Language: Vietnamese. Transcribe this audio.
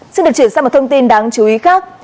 xin được chuyển sang một thông tin đáng chú ý khác